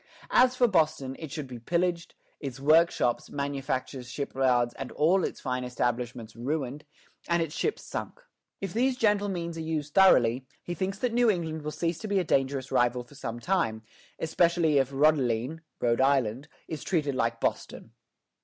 As for Boston, it should be pillaged, its workshops, manufactures, shipyards, all its fine establishments ruined, and its ships sunk." If these gentle means are used thoroughly, he thinks that New England will cease to be a dangerous rival for some time, especially if "Rhodelene" (Rhode Island) is treated like Boston.